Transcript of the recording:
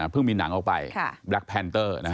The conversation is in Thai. พึ่งมีหนังเอาไปแบล็คแพนเตอร์